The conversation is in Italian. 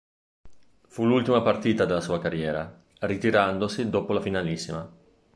Fu l'ultima partita della sua carriera, ritirandosi dopo la finalissima.